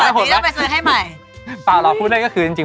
ถ้ากลับมาเมื่อกี้แล้วไปซื้อให้ใหม่